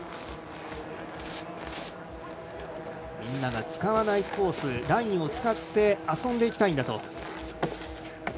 みんなが使わないコースラインを使って遊んでいきたいんだと。